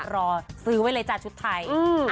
รอซื้อไว้เลยจ้ะชุดไทย